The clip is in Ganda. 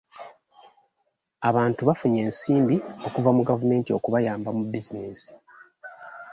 Abantu bafunye ensimbi okuva mu gavumenti okubayamba mu bizinensi.